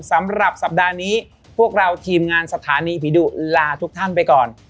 สำหรับสัปดาห์นี้พวกเราทีมงานสถานีผีดุลาทุกท่านไปก่อน